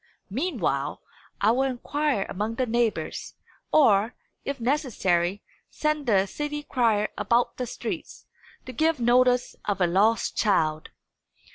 Meanwhile, I will inquire among the neighbours; or, if necessary, send the city crier about the streets, to give notice of a lost child."